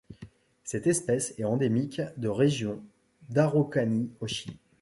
Cette espèce est endémique de région d'Araucanie au Chili.